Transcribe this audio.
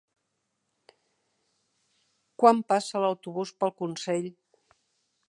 Quan passa l'autobús per Consell?